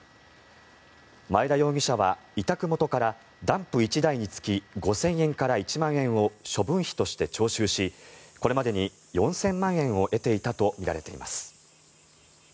前田容疑者は委託元からダンプ１台につき５０００円から１万円を処分費として徴収しこれまでに４０００万円を得ていたとみられています。